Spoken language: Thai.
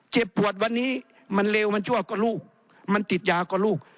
เจ็บปวดวันนี้มันเลวมันชั่วก็ลูกมันติดยาก็ลูก